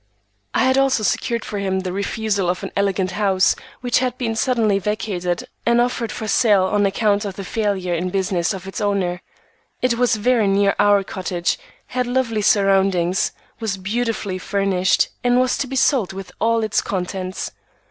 I had also secured for him the refusal of an elegant house which had been suddenly vacated and offered for sale on account of the failure in business of its owner. It was very near our cottage, had lovely surroundings, was beautifully furnished, and was to be sold with all its contents.